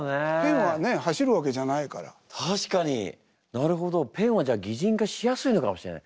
なるほどペンはじゃあ擬人化しやすいのかもしれない。